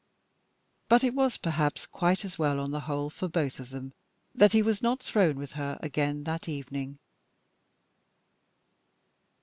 But it was, perhaps, quite as well, on the whole, for both of them that he was not thrown with her again that evening.